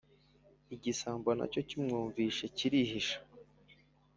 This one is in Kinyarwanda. igisambo na cyo kimwumvise kirihisha.